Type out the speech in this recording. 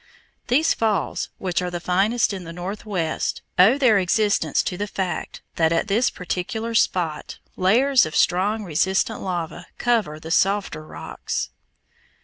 These falls, which are the finest in the northwest, owe their existence to the fact that at this particular spot layers of strong resistant lava cover the softer rocks.